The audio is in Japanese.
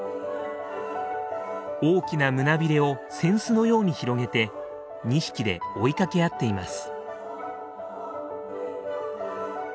大きな胸びれを扇子のように広げて２匹で追いかけ合っています。